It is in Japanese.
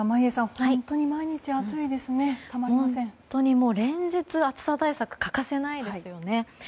本当に連日暑さ対策が欠かせないですよね。